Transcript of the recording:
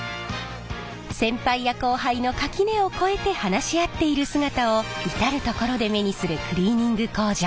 先輩や後輩の垣根を越えて話し合っている姿を至る所で目にするクリーニング工場。